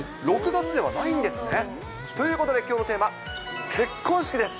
６月ではないんですね。ということで、きょうのテーマは結婚式です。